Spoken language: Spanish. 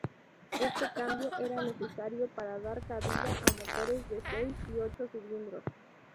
Este cambio era necesario para dar cabida a motores de seis y ocho cilindros.